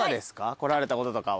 来られたこととかは。